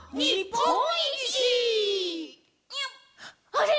「あれ！